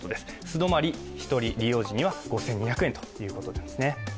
素泊まり１人、利用時には５２００円ということです。